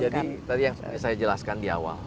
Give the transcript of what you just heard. jadi tadi yang saya jelaskan di awal